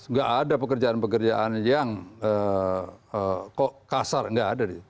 enggak ada pekerjaan pekerjaan yang kasar enggak ada